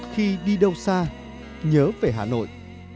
khi đi đâu xa nhớ về hà nội